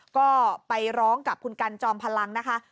ก็ไปร้องกับคุณกันจอมพลังนะคะ